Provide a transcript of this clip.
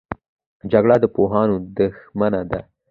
جګړه د پوهانو دښمنه ده